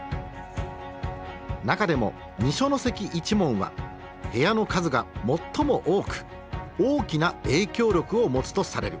中でも二所ノ関一門は部屋の数が最も多く大きな影響力を持つとされる。